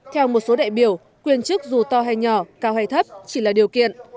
theo một số đại biểu quyền chức dù to hay nhỏ cao hay thấp chỉ là điều kiện